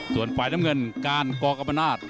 ส่วนฝ่ายน้ำเงินการกรกรรมนาศ